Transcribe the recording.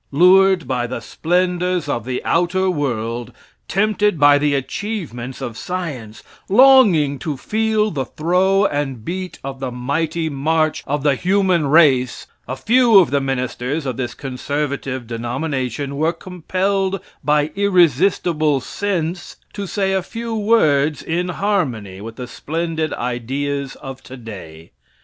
Lured by the splendors of the outer world, tempted by the achievements of science, longing to feel the throw and beat of the mighty march of the human race, a few of the ministers of this conservative denomination were compelled by irresistible sense, to say a few words in harmony with the splendid ideas of today.